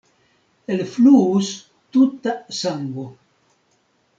Elfluus tuta sango.